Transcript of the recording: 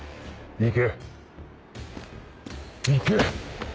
行け！